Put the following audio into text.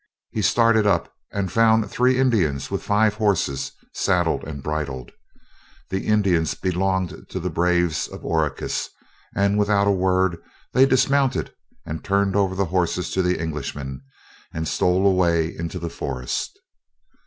He started up and found three Indians with five horses, saddled and bridled. The Indians belonged to the braves of Oracus, and, without a word, they dismounted and turned over the horses to the Englishmen, and stole away into the forest.